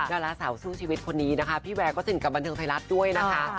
ดาราสาวสู้ชีวิตคนนี้นะคะพี่แวร์ก็สนิทกับบันเทิงไทยรัฐด้วยนะคะ